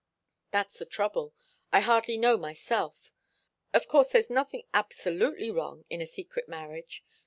"That's the trouble. I hardly know myself. Of course there's nothing absolutely wrong in a secret marriage.